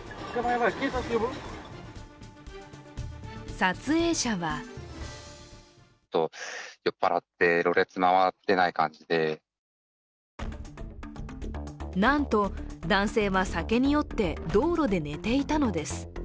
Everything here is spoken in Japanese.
撮影者はなんと、男性は酒に酔って道路で寝ていたのです。